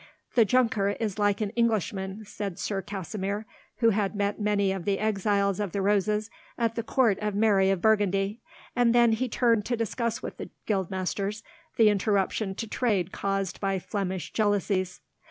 "The Junker is like an Englishman," said Sir Kasimir, who had met many of the exiles of the Roses at the court of Mary of Burgundy; and then he turned to discuss with the guildmasters the interruption to trade caused by Flemish jealousies.